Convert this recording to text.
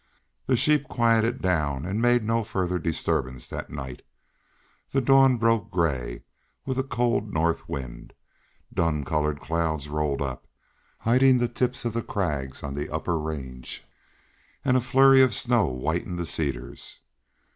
The sheep quieted down and made no further disturbance that night. The dawn broke gray, with a cold north wind. Dun colored clouds rolled up, hiding the tips of the crags on the upper range, and a flurry of snow whitened the cedars.